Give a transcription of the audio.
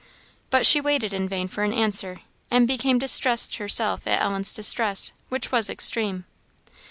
But she waited in vain for an answer, and became distressed herself at Ellen's distress, which was extreme.